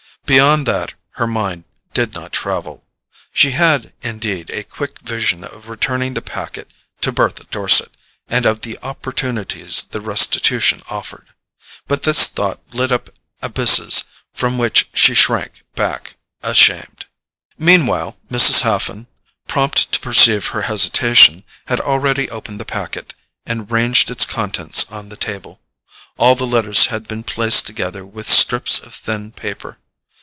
Beyond that her mind did not travel. She had, indeed, a quick vision of returning the packet to Bertha Dorset, and of the opportunities the restitution offered; but this thought lit up abysses from which she shrank back ashamed. Meanwhile Mrs. Haffen, prompt to perceive her hesitation, had already opened the packet and ranged its contents on the table. All the letters had been pieced together with strips of thin paper.